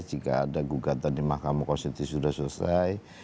jika ada gugatan di mahkamah konstitusi sudah selesai